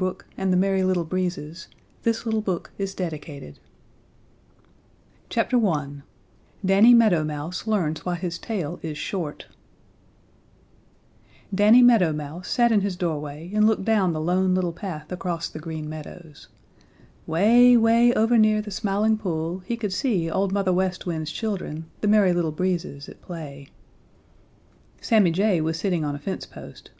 HAW!" HE WAS SO SURPRISED HE FORGOT TO CLOSE IT MOTHER WEST WIND'S CHILDREN I DANNY MEADOW MOUSE LEARNS WHY HIS TAIL IS SHORT Danny Meadow Mouse sat in his doorway and looked down the Lone Little Path across the Green Meadows. Way, way over near the Smiling Pool he could see Old Mother West Wind's Children, the Merry Little Breezes, at play. Sammy Jay was sitting on a fence post.